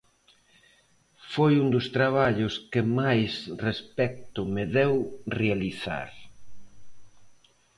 Foi un dos traballos que máis respecto me deu realizar.